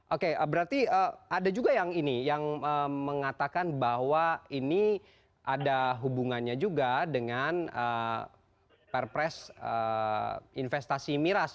oke berarti ada juga yang ini yang mengatakan bahwa ini ada hubungannya juga dengan perpres investasi miras